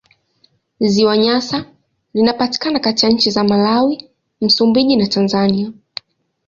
Ziwa Nyasa linapatikana kati ya nchi za Malawi, Msumbiji na Tanzania.